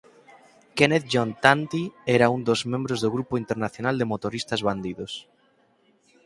Kenneth John Tanti era un dos membros do grupo internacional de motoristas Bandidos.